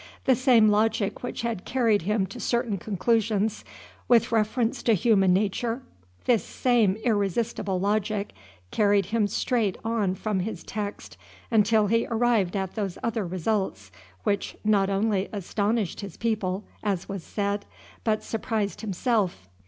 The same logic which had carried him to certain conclusions with reference to human nature, this same irresistible logic carried him straight on from his text until he arrived at those other results, which not only astonished his people, as was said, but surprised himself.